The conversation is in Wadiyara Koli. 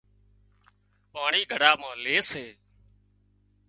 پاڻي گھڙا مان لي سي